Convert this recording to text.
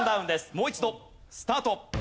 もう一度スタート。